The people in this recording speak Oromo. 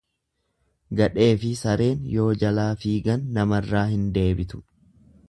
Gadheefi sareen yoo jalaa fiigan namarraa hin deebitu.